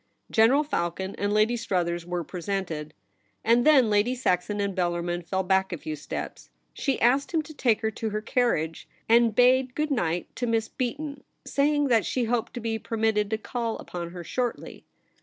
General Falcon and Lady Struthers were presented ; and then Lady Saxon and Bellarmin fell back a few steps. She asked him to take her to her carriage, and bade good night to Miss Beaton, saying that she hoped to be per mitted to call upon her shortly.